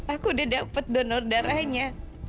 aku udah dapat donor darahnya